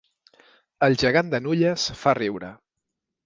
El gegant de Nulles fa riure